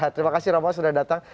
terima kasih romo sudah datang